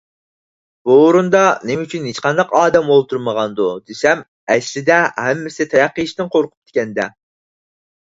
_ بۇ ئورۇندا نېمە ئۈچۈن ھېچقانداق ئادەم ئولتۇرمىغاندۇ دېسەم، ئەسلىدە ھەممىسى تاياق يېيىشتىن قورقۇپتىكەن - دە.